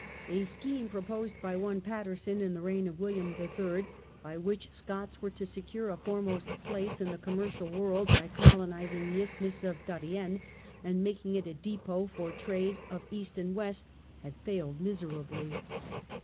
A scheme proposed by one Paterson, in the reign of William III., by which Scots were to secure a foremost place in the commercial world by colonizing the isthmus of Darien and making it a depot for trade of east and west, had failed miserably.